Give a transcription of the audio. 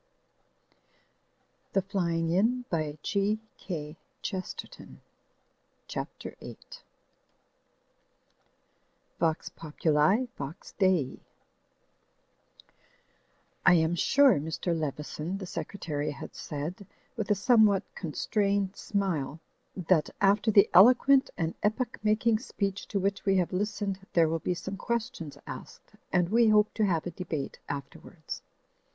Digitized by CjOOQ IC CHAPTER VIII vox POPULI VOX DEI "I AM sure," Mr. Leveson, the Secretary, had said, with a somewhat constrained smile, "that after the eloquent and epoch making speech to which we have listened there will be some questions asked, and we hope to have a debate afterwards.